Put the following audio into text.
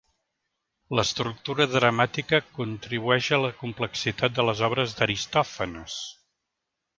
L'estructura dramàtica contribueix a la complexitat de les obres d'Aristòfanes.